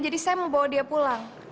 jadi saya membawa dia pulang